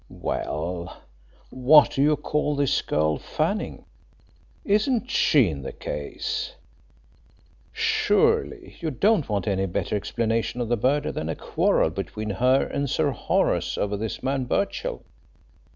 "Well, what do you call this girl Fanning? Isn't she in the case? Surely, you don't want any better explanation of the murder than a quarrel between her and Sir Horace over this man Birchill?"